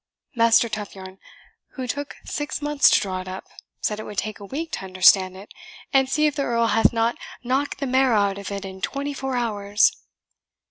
Master Toughyarn, who took six months to draw it up, said it would take a week to understand it; and see if the Earl hath not knocked the marrow out of it in twenty four hours!"